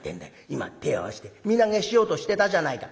今手を合わして身投げしようとしてたじゃないか」。